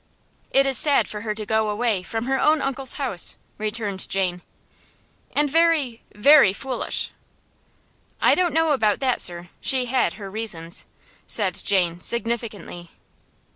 "It is sad for her to go away from her own uncle's house," returned Jane. "And very very foolish." "I don't know about that, sir. She had her reasons," said Jane, significantly.